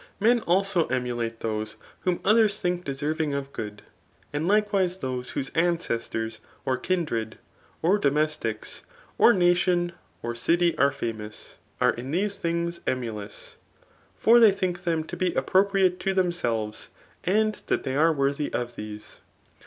Men also emulate those whom others think deserving of good« And likewise those whose ancestors, or kindred, or do mestics, or nation or city are famous, are in these things emulous ; for they think them to be appropriate to them selves, and that they are worthy of these.